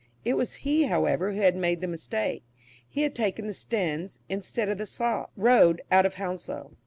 It was he, however, who had made the mistake; he had taken the Staines, instead of the Slough, road out of Hounslow.